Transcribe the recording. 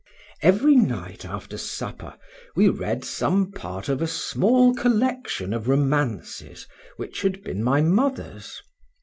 Every night, after supper, we read some part of a small collection of romances which had been my mother's.